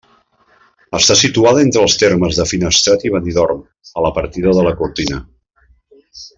Està situada entre els termes de Finestrat i Benidorm, a la partida de la Cortina.